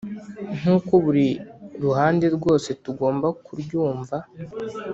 nkuko buri ruhande rwose tugomba kuryumva